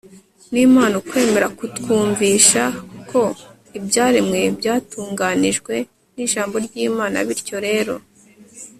n'imana, ukwemera kutwumvisha ko ibyaremwe byatunganijwe n'ijambo ry'imana bityo rero